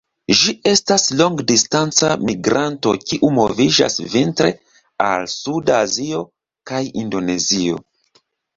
Ĝi estas longdistanca migranto kiu moviĝas vintre al suda Azio kaj Indonezio.